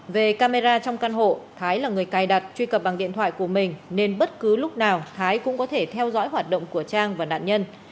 về camera trong căn hộ thái là người cài đặt truy cập bằng điện thoại của mình nên bất cứ lúc nào thái cũng có thể theo dõi hoạt động của trang và nạn nhân